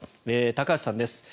高橋さんです。